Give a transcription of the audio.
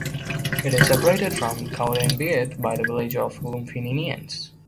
It is separated from Cowdenbeath by the village of Lumphinnans.